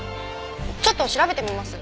ちょっと調べてみます。